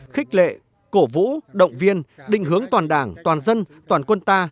khích lệ cổ vũ động viên định hướng toàn đảng toàn dân toàn quân ta